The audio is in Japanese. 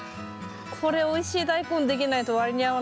これおいしいダイコンできないと割に合わないぞ。